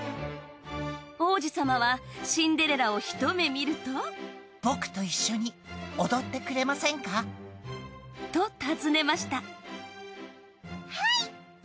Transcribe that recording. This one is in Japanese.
王子様はシンデレラをひと目見ると僕と一緒に踊ってくれませんか？とたずねましたはい！